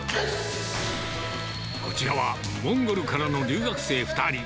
こちらは、モンゴルからの留学生２人。